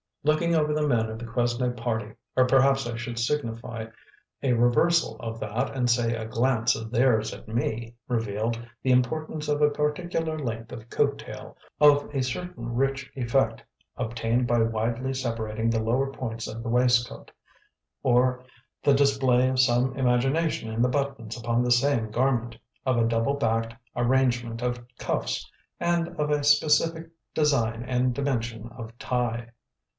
Looking over the men of the Quesnay party or perhaps I should signify a reversal of that and say a glance of theirs at me revealed the importance of a particular length of coat tail, of a certain rich effect obtained by widely separating the lower points of the waistcoat, of the display of some imagination in the buttons upon the same garment, of a doubled back arrangement of cuffs, and of a specific design and dimension of tie.